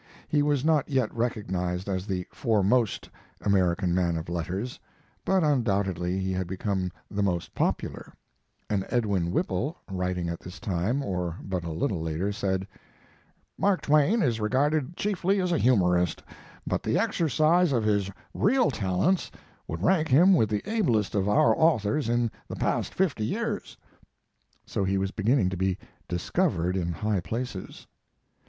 He was not yet recognized as the foremost American man of letters, but undoubtedly he had become the most popular; and Edwin Whipple, writing at this time, or but little later, said: "Mark Twain is regarded chiefly as a humorist, but the exercise of his real talents would rank him with the ablest of our authors in the past fifty years." So he was beginning to be "discovered" in high places.